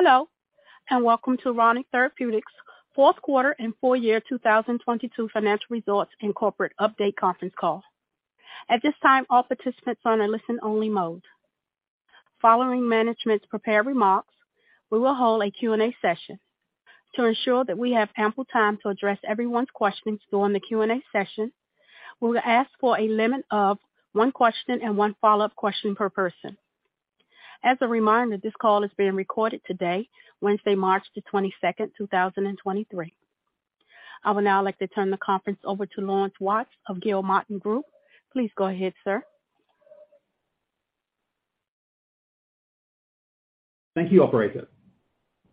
Hello, welcome to Rani Therapeutics' fourth quarter and full year 2022 financial results and corporate update conference call. At this time, all participants are in listen only mode. Following management's prepared remarks, we will hold a Q&A session. To ensure that we have ample time to address everyone's questions during the Q&A session, we'll ask for a limit of one question and one follow-up question per person. As a reminder, this call is being recorded today, Wednesday, March 22nd, 2023. I would now like to turn the conference over to Laurence Watts of Gilmartin Group. Please go ahead, sir. Thank you, operator.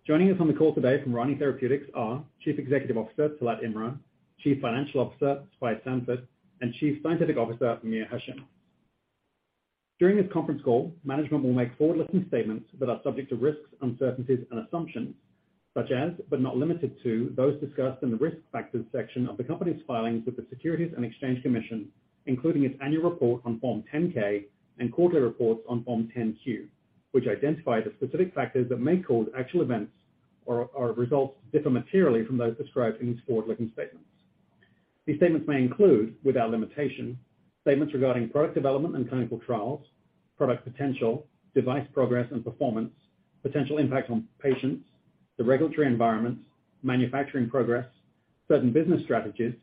Joining us on the call today from Rani Therapeutics are Chief Executive Officer, Talat Imran, Chief Financial Officer, Svai Sanford, and Chief Scientific Officer, Mir Hashim. During this conference call, management will make forward-looking statements that are subject to risks, uncertainties and assumptions such as, but not limited to, those discussed in the Risk Factors section of the company's filings with the Securities and Exchange Commission, including its annual report on Form 10-K and quarterly reports on Form 10-Q, which identify the specific factors that may cause actual events or results to differ materially from those described in these forward-looking statements. These statements may include, without limitation, statements regarding product development and clinical trials, product potential, device progress and performance, potential impact on patients, the regulatory environment, manufacturing progress, certain business strategies,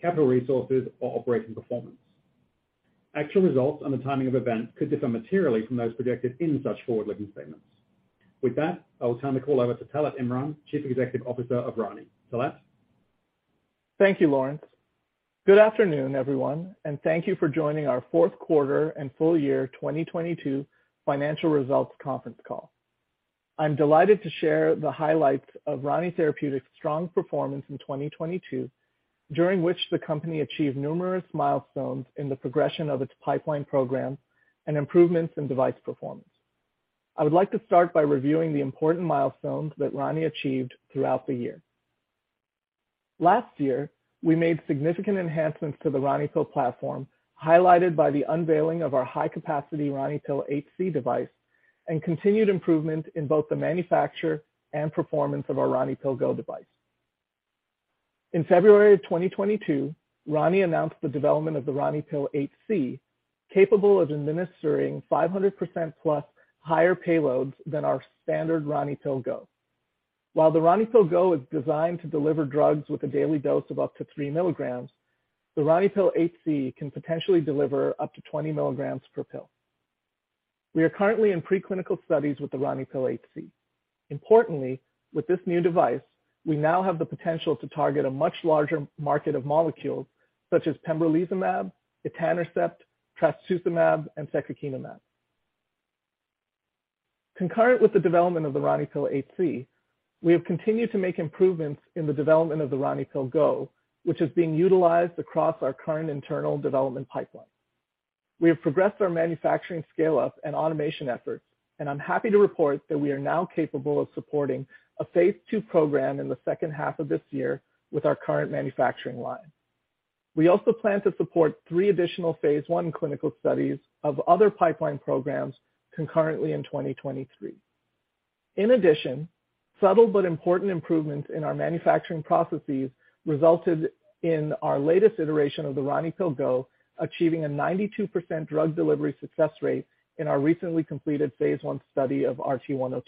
capital resources or operating performance. Actual results on the timing of events could differ materially from those projected in such forward-looking statements. With that, I will turn the call over to Talat Imran, Chief Executive Officer of RANI. Talat? Thank you, Laurence. Good afternoon, everyone. Thank you for joining our fourth quarter and full year 2022 financial results conference call. I'm delighted to share the highlights of Rani Therapeutics' strong performance in 2022, during which the company achieved numerous milestones in the progression of its pipeline program and improvements in device performance. I would like to start by reviewing the important milestones that Rani achieved throughout the year. Last year, we made significant enhancements to the RaniPill platform, highlighted by the unveiling of our high-capacity RaniPill HC device and continued improvement in both the manufacture and performance of our RaniPill GO device. In February of 2022, Rani announced the development of the RaniPill HC, capable of administering 500%+ higher payloads than our standard RaniPill GO. While the RaniPill GO is designed to deliver drugs with a daily dose of up to 3 milligrams, the RaniPill HC can potentially deliver up to 20 milligrams per pill. We are currently in pre-clinical studies with the RaniPill HC. Importantly, with this new device, we now have the potential to target a much larger market of molecules such as pembrolizumab, etanercept, trastuzumab, and secukinumab. Concurrent with the development of the RaniPill HC, we have continued to make improvements in the development of the RaniPill GO, which is being utilized across our current internal development pipeline. We have progressed our manufacturing scale-up and automation efforts, and I'm happy to report that we are now capable of supporting a phase II program in the second half of this year with our current manufacturing line. We also plan to support three additional phase I clinical studies of other pipeline programs concurrently in 2023. Subtle but important improvements in our manufacturing processes resulted in our latest iteration of the RaniPill GO achieving a 92% drug delivery success rate in our recently completed phase I study of RT-102.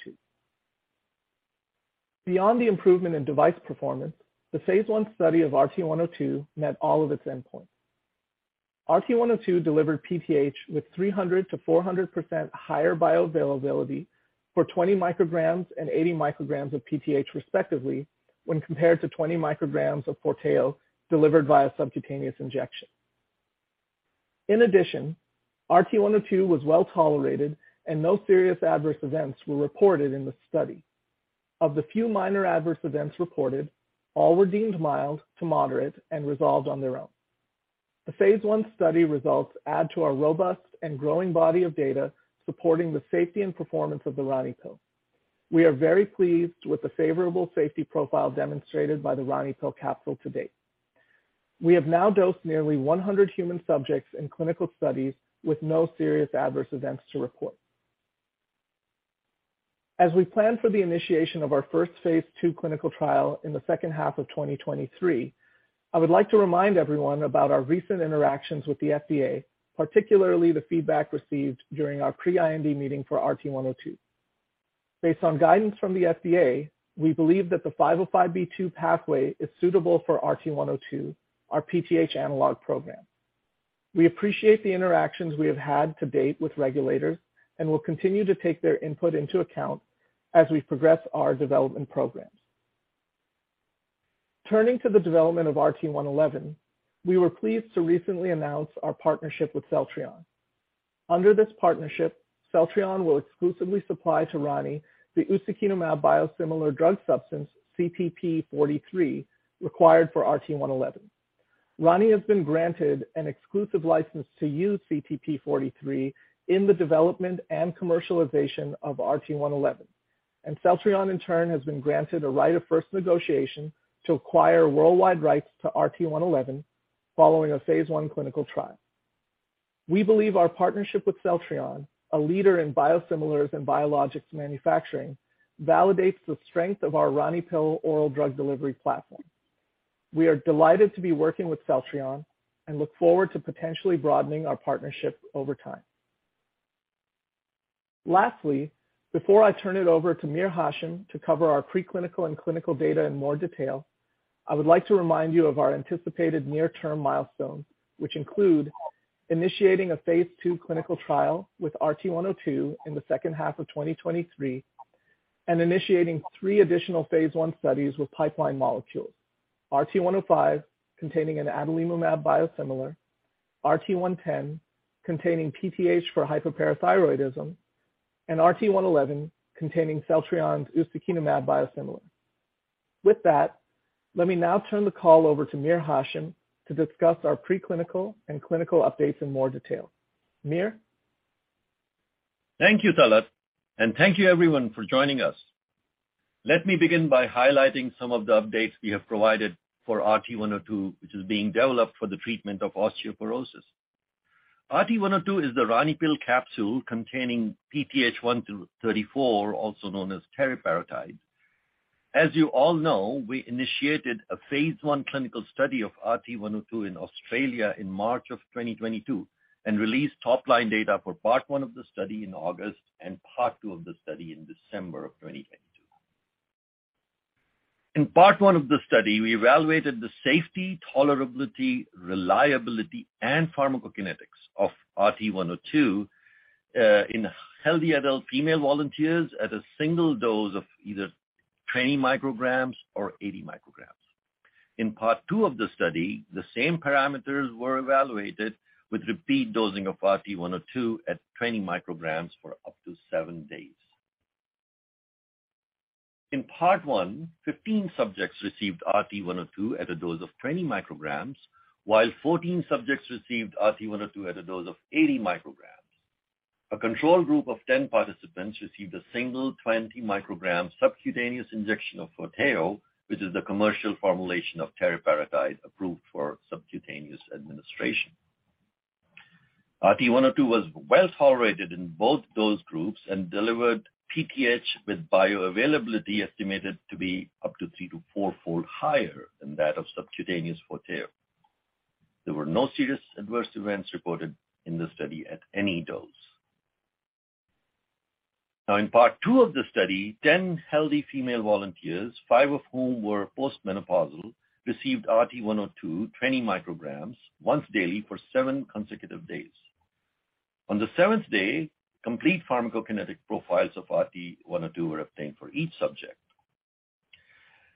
Beyond the improvement in device performance, the phase I study of RT-102 met all of its endpoints. RT-102 delivered PTH with 300%-400% higher bioavailability for 20 micrograms and 80 micrograms of PTH, respectively, when compared to 20 micrograms of FORTEO delivered via subcutaneous injection. RT-102 was well-tolerated and no serious adverse events were reported in the study. Of the few minor adverse events reported, all were deemed mild to moderate and resolved on their own. The phase I study results add to our robust and growing body of data supporting the safety and performance of the RaniPill. We are very pleased with the favorable safety profile demonstrated by the RaniPill capsule to date. We have now dosed nearly 100 human subjects in clinical studies with no serious adverse events to report. As we plan for the initiation of our first phase II clinical trial in the second half of 2023, I would like to remind everyone about our recent interactions with the FDA, particularly the feedback received during our pre-IND meeting for RT-102. Based on guidance from the FDA, we believe that the 505(b)(2) pathway is suitable for RT-102, our PTH analog program. We appreciate the interactions we have had to date with regulators and will continue to take their input into account as we progress our development programs. Turning to the development of RT-111, we were pleased to recently announce our partnership with Celltrion. Under this partnership, Celltrion will exclusively supply to Rani the ustekinumab biosimilar drug substance CT-P43 required for RT-111. Rani has been granted an exclusive license to use CT-P43 in the development and commercialization of RT-111, and Celltrion in turn has been granted a right of first negotiation to acquire worldwide rights to RT-111 following a phase I clinical trial. We believe our partnership with Celltrion, a leader in biosimilars and biologics manufacturing, validates the strength of our RaniPill oral drug delivery platform. We are delighted to be working with Celltrion and look forward to potentially broadening our partnership over time. Before I turn it over to Mir Hashim to cover our preclinical and clinical data in more detail, I would like to remind you of our anticipated near-term milestones, which include initiating a phase II clinical trial with RT-102 in the second half of 2023, and initiating three additional phase I studies with pipeline molecules. RT-105, containing an adalimumab biosimilar, RT-110, containing PTH for hypoparathyroidism, and RT-111, containing Celltrion's ustekinumab biosimilar. Let me now turn the call over to Mir Hashim to discuss our preclinical and clinical updates in more detail. Mir. Thank you, Talat, and thank you everyone for joining us. Let me begin by highlighting some of the updates we have provided for RT-102, which is being developed for the treatment of osteoporosis. RT-102 is the RaniPill capsule containing PTH(1-34), also known as teriparatide. As you all know, we initiated a phase I clinical study of RT-102 in Australia in March 2022 and released top-line data for part one of the study in August and part two of the study in December 2022. In part one of the study, we evaluated the safety, tolerability, reliability, and pharmacokinetics of RT-102 in healthy adult female volunteers at a single dose of either 20 micrograms or 80 micrograms. In part two of the study, the same parameters were evaluated with repeat dosing of RT-102 at 20 micrograms for up to seven days. In part one, 15 subjects received RT-102 at a dose of 20 micrograms, while 14 subjects received RT-102 at a dose of 80 micrograms. A control group of 10 participants received a single 20 microgram subcutaneous injection of FORTEO, which is the commercial formulation of teriparatide approved for subcutaneous administration. RT-102 was well-tolerated in both those groups and delivered PTH with bioavailability estimated to be up to three to four-fold higher than that of subcutaneous FORTEO. There were no serious adverse events reported in the study at any dose. In part two of the study, 10 healthy female volunteers, five of whom were post-menopausal, received RT-102 20 micrograms once daily for seven consecutive days. On the seventh day, complete pharmacokinetic profiles of RT-102 were obtained for each subject.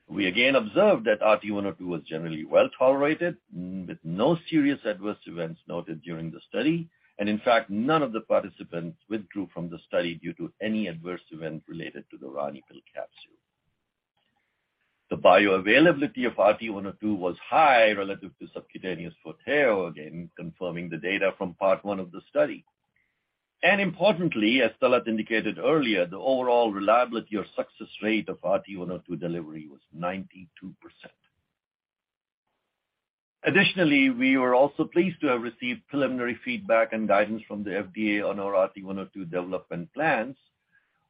We again observed that RT-102 was generally well-tolerated, with no serious adverse events noted during the study. In fact, none of the participants withdrew from the study due to any adverse event related to the RaniPill capsule. The bioavailability of RT-102 was high relative to subcutaneous FORTEO, again, confirming the data from part one of the study. Importantly, as Talat indicated earlier, the overall reliability or success rate of RT-102 delivery was 92%. Additionally, we were also pleased to have received preliminary feedback and guidance from the FDA on our RT-102 development plans.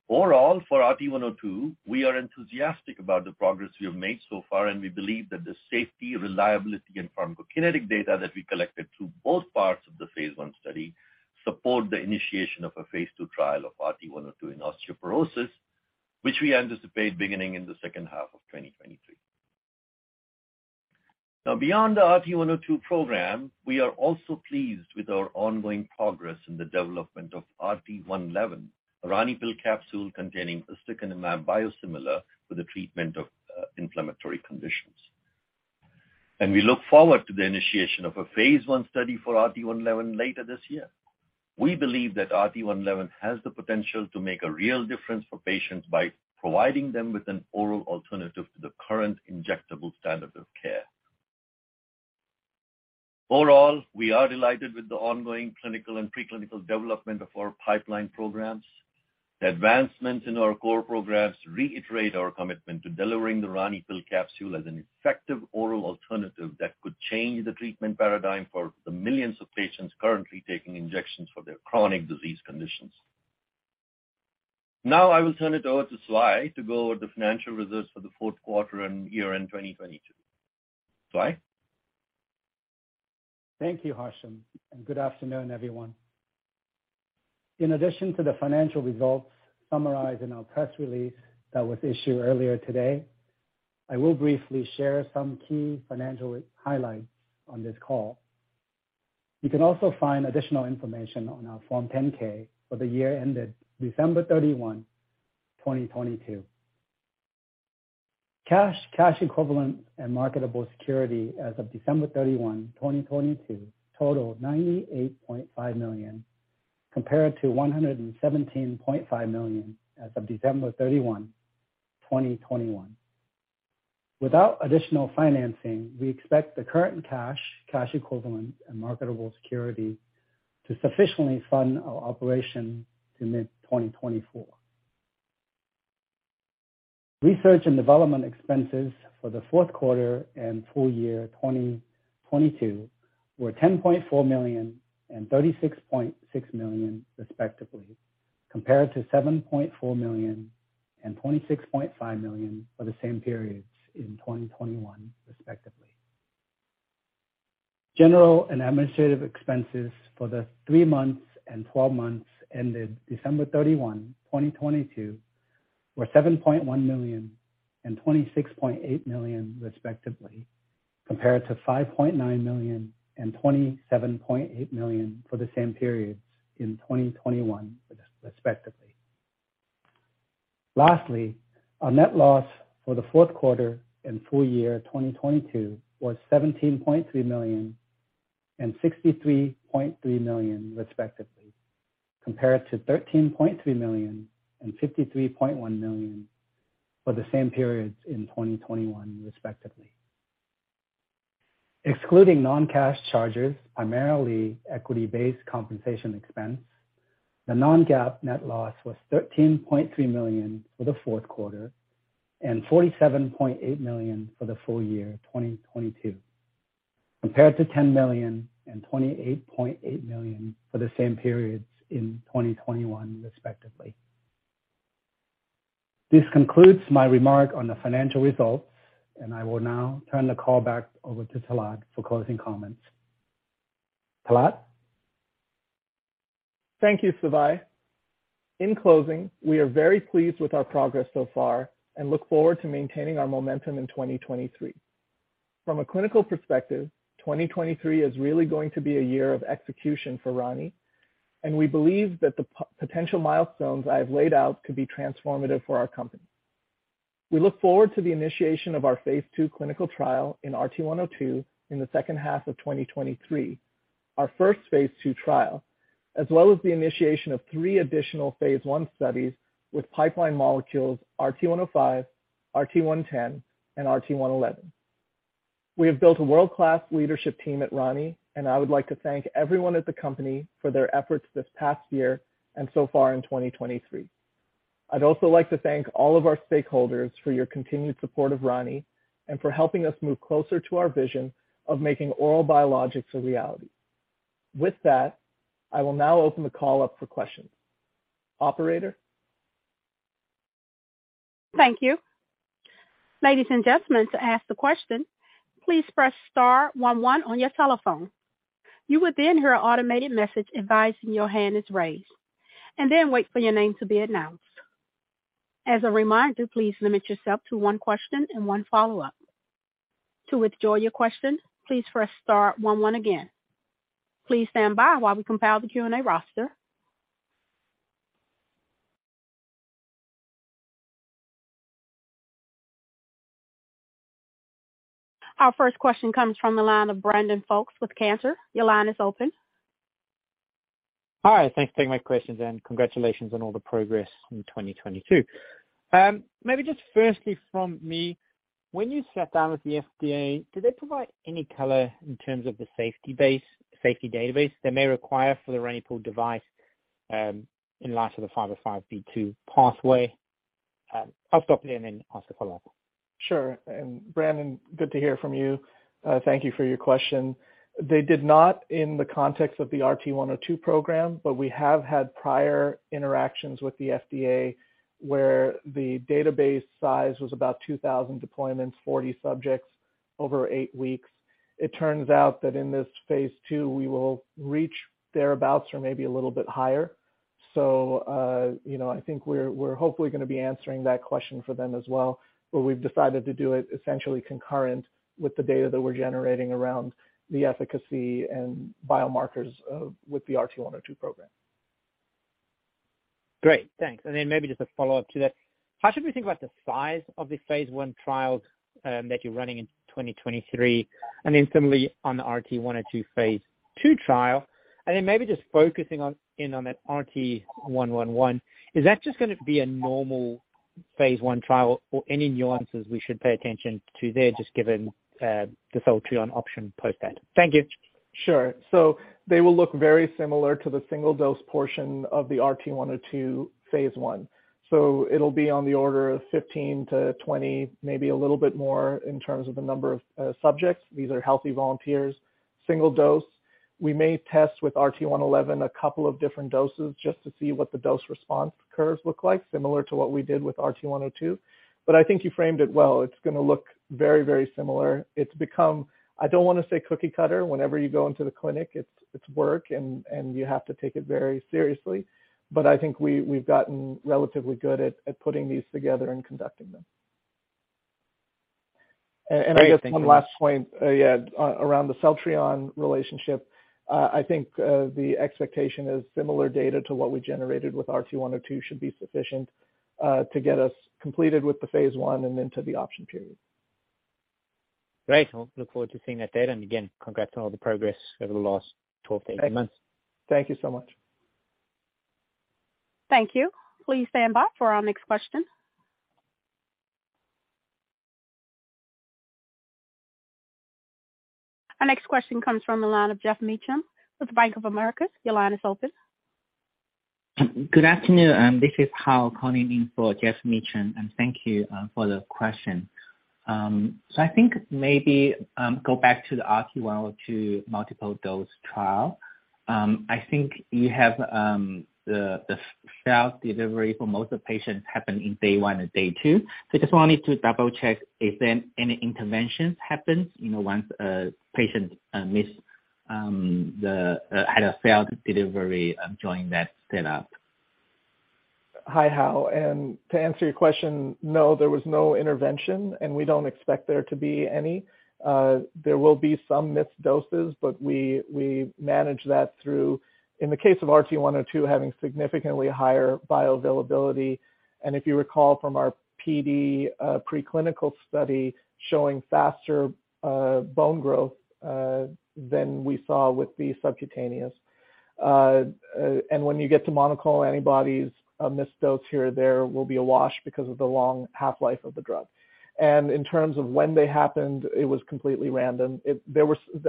Overall, for RT-102, we are enthusiastic about the progress we have made so far. We believe that the safety, reliability, and pharmacokinetic data that we collected through both parts of the phase I study support the initiation of a phase II trial of RT-102 in osteoporosis, which we anticipate beginning in the second half of 2023. Beyond the RT-102 program, we are also pleased with our ongoing progress in the development of RT-111, a RaniPill capsule containing ustekinumab biosimilar for the treatment of inflammatory conditions. We look forward to the initiation of a phase I study for RT-111 later this year. We believe that RT-111 has the potential to make a real difference for patients by providing them with an oral alternative to the current injectable standard of care. Overall, we are delighted with the ongoing clinical and preclinical development of our pipeline programs. The advancements in our core programs reiterate our commitment to delivering the RaniPill capsule as an effective oral alternative that could change the treatment paradigm for the millions of patients currently taking injections for their chronic disease conditions. I will turn it over to Svai to go over the financial results for the fourth quarter and year-end 2022. Svai? Thank you, Hashim. Good afternoon, everyone. In addition to the financial results summarized in our press release that was issued earlier today, I will briefly share some key financial highlights on this call. You can also find additional information on our Form 10-K for the year ended December 31, 2022. Cash, cash equivalents, and marketable security as of December 31, 2022 totaled $98.5 million, compared to $117.5 million as of December 31, 2021. Without additional financing, we expect the current cash equivalents, and marketable security to sufficiently fund our operation to mid 2024. Research and development expenses for the fourth quarter and full year 2022 were $10.4 million and $36.6 million respectively, compared to $7.4 million and $26.5 million for the same periods in 2021 respectively. General and administrative expenses for the three months and 12 months ended December 31, 2022, were $7.1 million and $26.8 million, respectively, compared to $5.9 million and $27.8 million for the same periods in 2021, respectively. Our net loss for the fourth quarter and full year 2022 was $17.3 million and $63.3 million, respectively, compared to $13.3 million and $53.1 million for the same periods in 2021, respectively. Excluding non-cash charges, primarily equity-based compensation expense, the non-GAAP net loss was $13.3 million for the fourth quarter and $47.8 million for the full year 2022, compared to $10 million and $28.8 million for the same periods in 2021, respectively. This concludes my remark on the financial results, and I will now turn the call back over to Talat for closing comments. Talat? Thank you, Svai. In closing, we are very pleased with our progress so far and look forward to maintaining our momentum in 2023. From a clinical perspective, 2023 is really going to be a year of execution for Rani, and we believe that the potential milestones I have laid out could be transformative for our company. We look forward to the initiation of our phase II clinical trial in RT-102 in the second half of 2023, our first phase II trial, as well as the initiation of three additional phase I studies with pipeline molecules RT-105, RT-110, and RT-111. We have built a world-class leadership team at Rani, and I would like to thank everyone at the company for their efforts this past year and so far in 2023. I'd also like to thank all of our stakeholders for your continued support of Rani and for helping us move closer to our vision of making oral biologics a reality. With that, I will now open the call up for questions. Operator? Thank you. Ladies and gentlemen, to ask the question, please press star one one on your telephone. You will then hear an automated message advising your hand is raised, then wait for your name to be announced. As a reminder, please limit yourself to one question and one follow-up. To withdraw your question, please press star one one again. Please stand by while we compile the Q&A roster. Our first question comes from the line of Brandon Folkes with Cantor Fitzgerald. Your line is open. Hi, thanks for taking my questions and congratulations on all the progress in 2022. Maybe just firstly from me, when you sat down with the FDA, did they provide any color in terms of the safety database they may require for the RaniPill device, in light of the 505(b)(2) pathway? I'll stop there and then ask a follow-up. Sure. Brandon, good to hear from you. Thank you for your question. They did not in the context of the RT-102 program, but we have had prior interactions with the FDA where the database size was about 2,000 deployments, 40 subjects over eight weeks. It turns out that in this phase II we will reach thereabouts or maybe a little bit higher. You know, I think we're hopefully gonna be answering that question for them as well, but we've decided to do it essentially concurrent with the data that we're generating around the efficacy and biomarkers, with the RT-102 program. Great. Thanks. Maybe just a follow-up to that. How should we think about the size of the phase I trials that you're running in 2023, similarly on the RT-102 phase II trial? Maybe just focusing in on that RT-111, is that just gonna be a normal phase I trial or any nuances we should pay attention to there just given the Celltrion option post that? Thank you. Sure. They will look very similar to the single-dose portion of the RT-102, phase I. It'll be on the order of 15-20, maybe a little bit more in terms of the number of subjects. These are healthy volunteers, single dose. We may test with RT-111 a couple of different doses just to see what the dose response curves look like, similar to what we did with RT-102. I think you framed it well. I don't wanna say cookie-cutter. Whenever you go into the clinic, it's work and you have to take it very seriously. I think we've gotten relatively good at putting these together and conducting them. Great. Thank you. I guess one last point, around the Celltrion relationship. I think, the expectation is similar data to what we generated with RT-102 should be sufficient, to get us completed with the phase I and into the option period. Great. Well, look forward to seeing that data. Again, congrats on all the progress over the last 12 to 18 months. Thank you so much. Thank you. Please stand by for our next question. Our next question comes from the line of Geoff Meacham with Bank of America. Your line is open. Good afternoon. This is Hal calling in for Geoff Meacham. Thank you for the question. I think maybe go back to the RT-102 multiple dose trial. I think you have the failed delivery for most of the patients happened in day one and day two. I just wanted to double check if then any interventions happened, you know, once a patient Had a failed delivery during that setup. Hi, Hal. To answer your question, no, there was no intervention, and we don't expect there to be any. There will be some missed doses, but we manage that through, in the case of RT-102, having significantly higher bioavailability. If you recall from our PD preclinical study showing faster bone growth than we saw with the subcutaneous. When you get to monoclonal antibodies, a missed dose here or there will be a wash because of the long half-life of the drug. In terms of when they happened, it was completely random.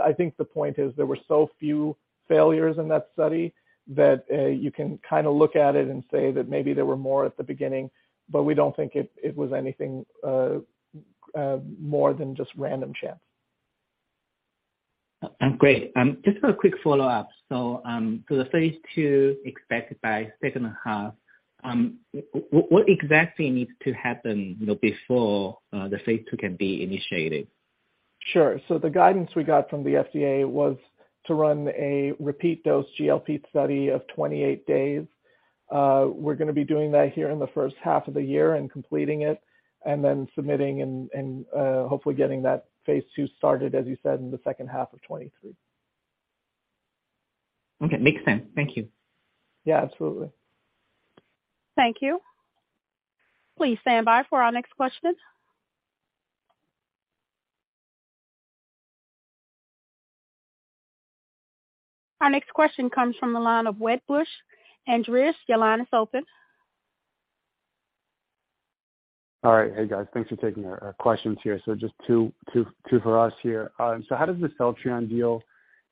I think the point is there were so few failures in that study that you can kinda look at it and say that maybe there were more at the beginning. We don't think it was anything more than just random chance. Great. Just a quick follow-up. The phase two expected by second half, what exactly needs to happen, you know, before the phase two can be initiated? Sure. The guidance we got from the FDA was to run a repeat dose GLP study of 28 days. We're going to be doing that here in the first half of the year and completing it and then submitting and, hopefully getting that phase II started, as you said, in the second half of 2023. Okay. Makes sense. Thank you. Yeah, absolutely. Thank you. Please stand by for our next question. Our next question comes from the line of Wedbush. Andreas, your line is open. All right. Hey, guys. Thanks for taking questions here. Just two for us here. How does the Celltrion deal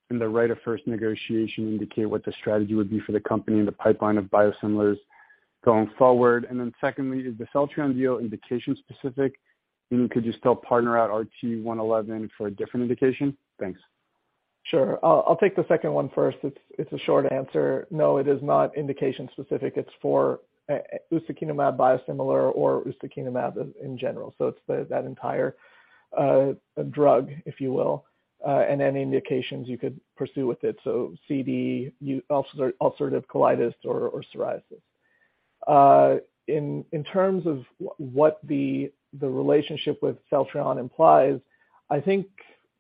and the right of first negotiation indicate what the strategy would be for the company and the pipeline of biosimilars going forward? Secondly, is the Celltrion deal indication specific? I mean, could you still partner out RT-111 for a different indication? Thanks. Sure. I'll take the second one first. It's a short answer. No, it is not indication specific. It's for ustekinumab biosimilar or ustekinumab in general. It's that entire drug, if you will, and any indications you could pursue with it, CD, ulcerative colitis or psoriasis. In terms of what the relationship with Celltrion implies, I think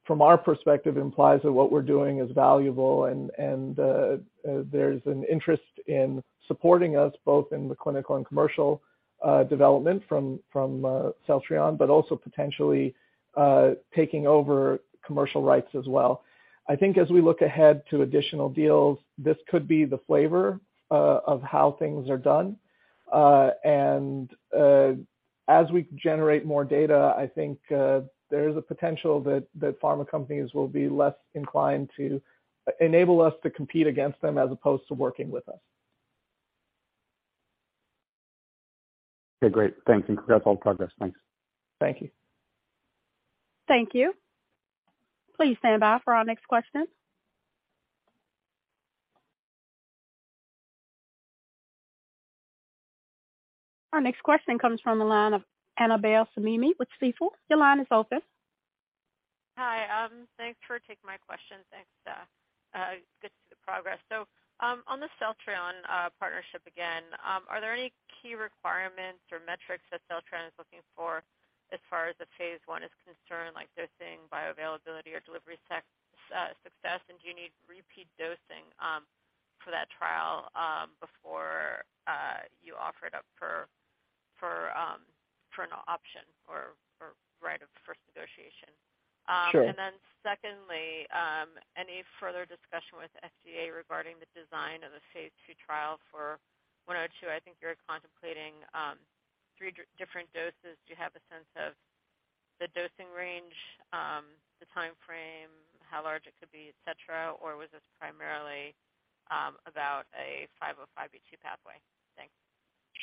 from our perspective implies that what we're doing is valuable and there's an interest in supporting us both in the clinical and commercial development from Celltrion, but also potentially taking over commercial rights as well. I think as we look ahead to additional deals, this could be the flavor of how things are done. As we generate more data, there is a potential that pharma companies will be less inclined to enable us to compete against them as opposed to working with us. Okay, great. Thanks, and congrats on progress. Thanks. Thank you. Thank you. Please stand by for our next question. Our next question comes from the line of Annabel Samimy with Stifel. Your line is open. Hi. Thanks for taking my question. Thanks. Good to see the progress. On the Celltrion partnership again, are there any key requirements or metrics that Celltrion is looking for as far as the phase I is concerned, like dosing, bioavailability or delivery success? Do you need repeat dosing for that trial before you offer it up for an option or right of first negotiation? Sure. Secondly, any further discussion with FDA regarding the design of the phase II trial for 102? I think you're contemplating three different doses. Do you have a sense of the dosing range, the timeframe, how large it could be, et cetera? Was this primarily about a 505(b)(2) pathway? Thanks.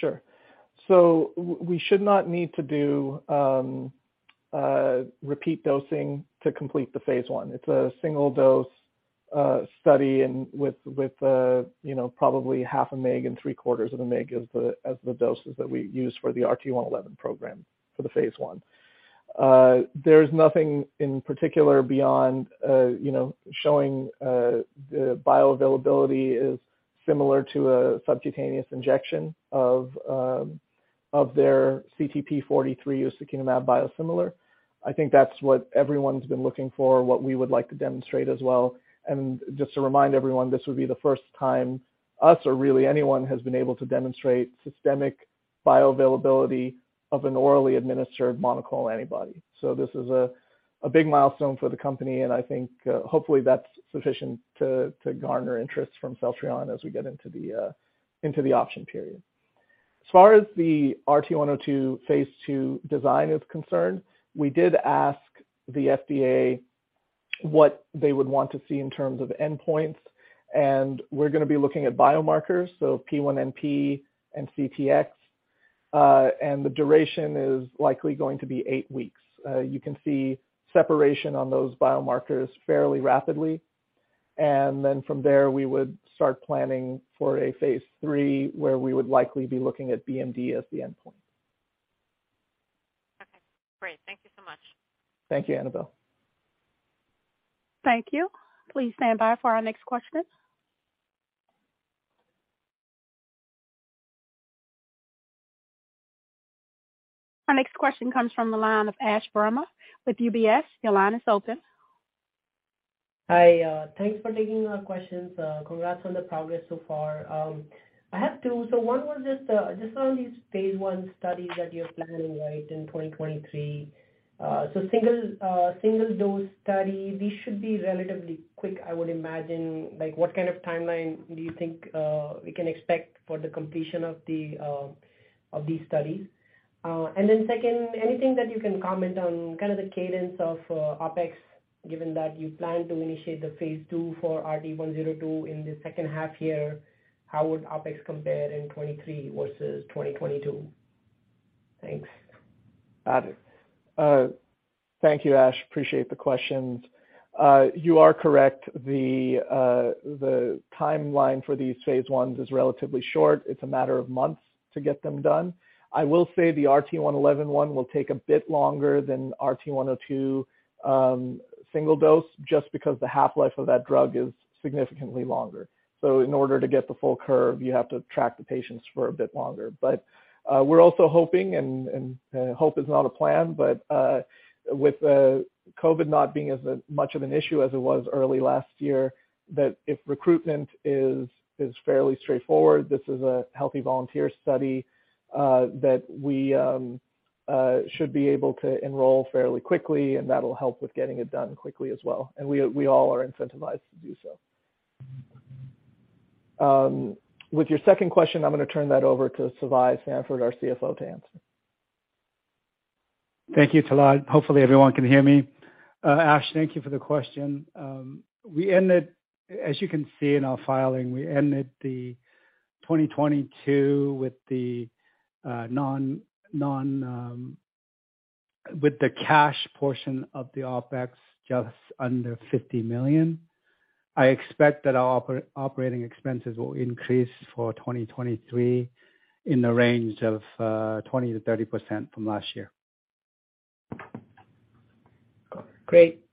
Sure. We should not need to do repeat dosing to complete the phase I. It's a single dose study and with you know, probably 0.5 mg and 0.75 mg as the doses that we use for the RT-111 program for the phase I. There's nothing in particular beyond you know, showing the bioavailability is similar to a subcutaneous injection of their CT-P43 ustekinumab biosimilar. I think that's what everyone's been looking for, what we would like to demonstrate as well. Just to remind everyone, this would be the first time us or really anyone has been able to demonstrate systemic bioavailability of an orally administered monoclonal antibody. This is a big milestone for the company, and I think, hopefully, that's sufficient to garner interest from Celltrion as we get into the option period. As far as the RT-102 phase II design is concerned, we did ask the FDA what they would want to see in terms of endpoints, and we're gonna be looking at biomarkers, so P1NP and CTX, and the duration is likely going to be eight weeks. You can see separation on those biomarkers fairly rapidly. From there, we would start planning for a phase III, where we would likely be looking at BMD as the endpoint. Okay, great. Thank you so much. Thank you, Annabel. Thank you. Please stand by for our next question. Our next question comes from the line of Ash Verma with UBS. Your line is open. Hi, thanks for taking our questions. Congrats on the progress so far. I have two. One was just on these phase I studies that you're planning, right, in 2023. So single dose study, these should be relatively quick, I would imagine. Like, what kind of timeline do you think we can expect for the completion of these studies? Then second, anything that you can comment on kind of the cadence of OpEx, given that you plan to initiate the phase II for RT-102 in the second half year, how would OpEx compare in 2023 versus 2022? Thanks. Got it. Thank you, Ash. Appreciate the questions. You are correct. The timeline for these phase Is is relatively short. It's a matter of months to get them done. I will say the RT-111 one will take a bit longer than RT-102, single dose just because the half-life of that drug is significantly longer. In order to get the full curve, you have to track the patients for a bit longer. We're also hoping and hope is not a plan, but with COVID not being as much of an issue as it was early last year, that if recruitment is fairly straightforward, this is a healthy volunteer study, that we should be able to enroll fairly quickly, and that'll help with getting it done quickly as well. We all are incentivized to do so. With your second question, I'm gonna turn that over to Svai Sanford, our CFO, to answer. Thank you, Talat. Hopefully everyone can hear me. Ash, thank you for the question. We ended as you can see in our filing, we ended the 2022 with the cash portion of the OpEx just under $50 million. I expect that our operating expenses will increase for 2023 in the range of 20%-30% from last year. Great.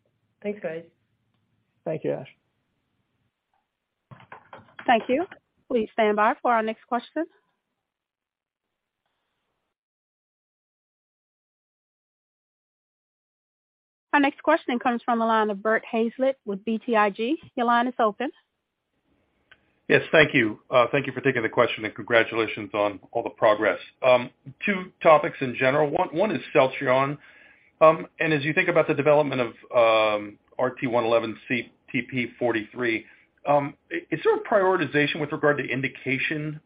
Thanks, guys. Thank you, Ash. Thank you. Please stand by for our next question. Our next question comes from the line of Bert Hazlett with BTIG. Your line is open. Yes, thank you. Thank you for taking the question, and congratulations on all the progress. Two topics in general. One is Celltrion. As you think about the development of RT-111 CT-P43, is there a prioritization with regard to indication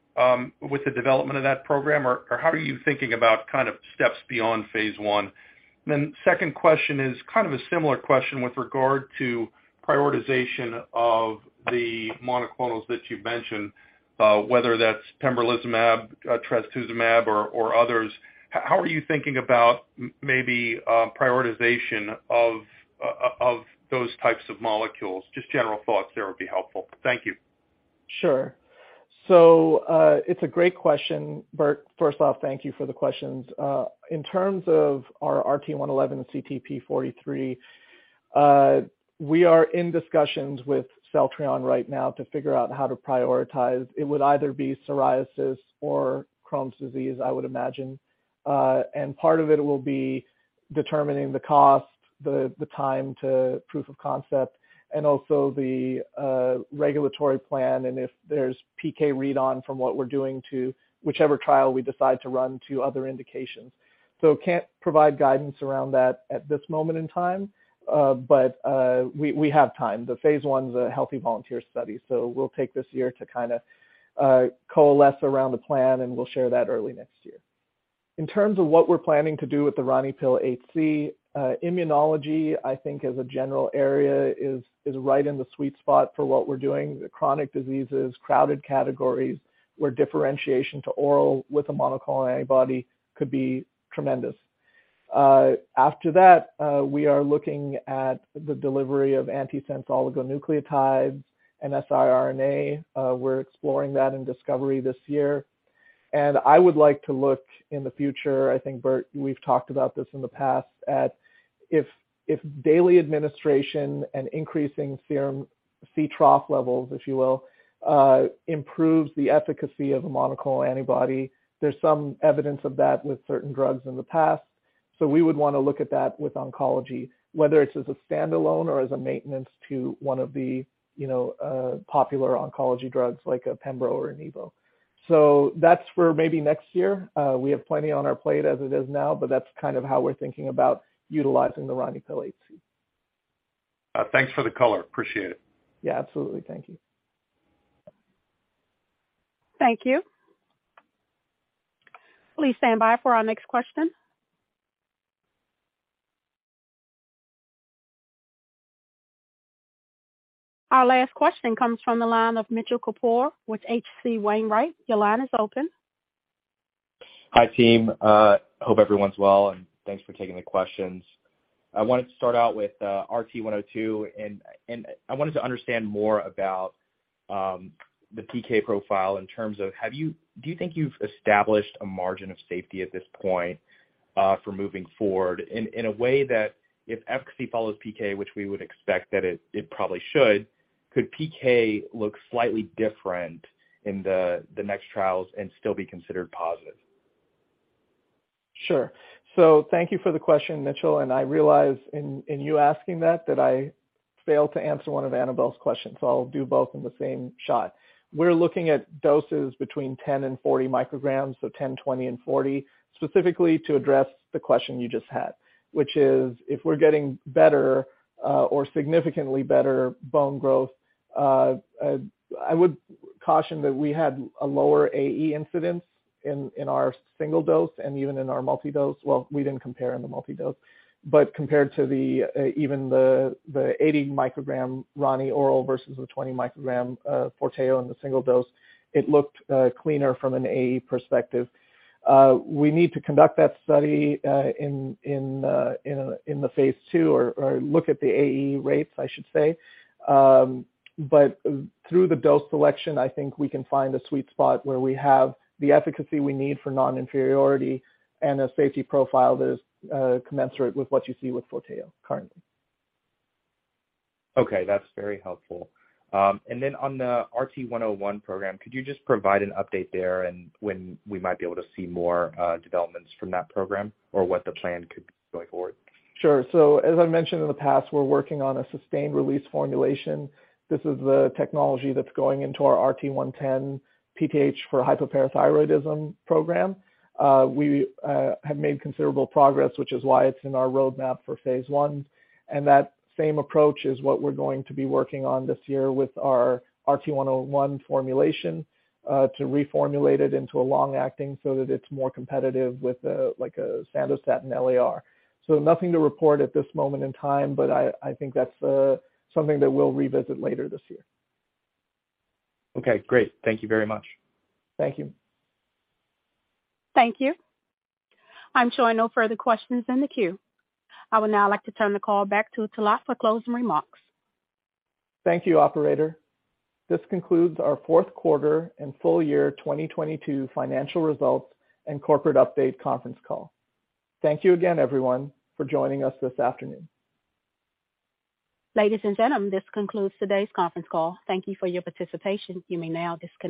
with the development of that program? Or how are you thinking about kind of steps beyond phase I? Second question is kind of a similar question with regard to prioritization of the monoclonals that you've mentioned, whether that's pembrolizumab, trastuzumab or others. How are you thinking about maybe prioritization of those types of molecules? Just general thoughts there would be helpful. Thank you. Sure. It's a great question, Bert. First off, thank you for the questions. In terms of our RT-111 CT-P43, we are in discussions with Celltrion right now to figure out how to prioritize. It would either be psoriasis or Crohn's disease, I would imagine. Part of it will be determining the cost, the time to proof of concept, and also the regulatory plan and if there's PK read-on from what we're doing to whichever trial we decide to run to other indications. Can't provide guidance around that at this moment in time, but we have time. The phase I's a healthy volunteer study, we'll take this year to kinda coalesce around the plan, and we'll share that early next year. In terms of what we're planning to do with the RaniPill HC, immunology, I think as a general area, is right in the sweet spot for what we're doing, the chronic diseases, crowded categories, where differentiation to oral with a monoclonal antibody could be tremendous. After that, we are looking at the delivery of antisense oligonucleotides and siRNA. We're exploring that in discovery this year. I would like to look in the future, I think, Bert, we've talked about this in the past, at if daily administration and increasing serum C trough levels, if you will, improves the efficacy of a monoclonal antibody. There's some evidence of that with certain drugs in the past. We would wanna look at that with oncology, whether it's as a standalone or as a maintenance to one of the, you know, popular oncology drugs like a pembro or an ipi. That's for maybe next year. We have plenty on our plate as it is now, but that's kind of how we're thinking about utilizing the RaniPill HC. thanks for the color. Appreciate it. Yeah, absolutely. Thank you. Thank you. Please stand by for our next question. Our last question comes from the line of Mitchell Kapoor with H.C. Wainwright. Your line is open. Hi, team. Hope everyone's well, and thanks for taking the questions. I wanted to start out with RT-102, and I wanted to understand more about the PK profile in terms of do you think you've established a margin of safety at this point for moving forward in a way that if efficacy follows PK, which we would expect that it probably should, could PK look slightly different in the next trials and still be considered positive? Sure. Thank you for the question, Mitchell, and I realize in you asking that I failed to answer one of Annabel's questions. I'll do both in the same shot. We're looking at doses between 10 and 40 micrograms, so 10, 20, and 40, specifically to address the question you just had, which is if we're getting better, or significantly better bone growth, I would caution that we had a lower AE incidence in our single dose and even in our multi-dose. Well, we didn't compare in the multi-dose, but compared to the even the 80 microgram Rani oral versus the 20 microgram FORTEO in the single dose, it looked cleaner from an AE perspective. We need to conduct that study in the phase II or look at the AE rates, I should say. Through the dose selection, I think we can find a sweet spot where we have the efficacy we need for non-inferiority and a safety profile that is commensurate with what you see with FORTEO currently. Okay, that's very helpful. On the RT-101 program, could you just provide an update there and when we might be able to see more developments from that program or what the plan could be going forward? Sure. As I mentioned in the past, we're working on a sustained-release formulation. This is the technology that's going into our RT-110 PTH for hypoparathyroidism program. We have made considerable progress, which is why it's in our roadmap for phase I. That same approach is what we're going to be working on this year with our RT-101 formulation to reformulate it into a long-acting so that it's more competitive with a, like a Sandostatin LAR. Nothing to report at this moment in time, but I think that's something that we'll revisit later this year. Okay, great. Thank you very much. Thank you. Thank you. I'm showing no further questions in the queue. I would now like to turn the call back to Talat for closing remarks. Thank you, operator. This concludes our fourth quarter and full year 2022 financial results and corporate update conference call. Thank you again, everyone, for joining us this afternoon. Ladies and gentlemen, this concludes today's conference call. Thank you for your participation. You may now disconnect.